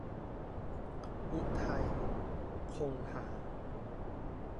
อุทัย คงหา